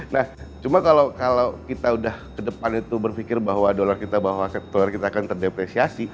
nah cuma kalau kita udah ke depan itu berpikir bahwa dollar kita akan terdepresiasi